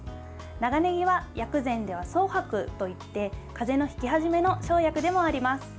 長ねぎは薬膳ではそう白といってかぜのひき始めの生薬でもあります。